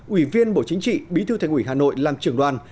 ủy viên bộ chính trị bí thư thành ủy hà nội làm trưởng đoàn